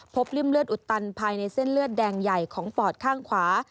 ริ่มเลือดอุดตันภายในเส้นเลือดแดงใหญ่ของปอดข้างขวา